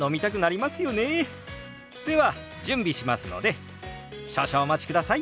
では準備しますので少々お待ちください。